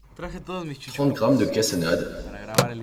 trente grammes de cassonade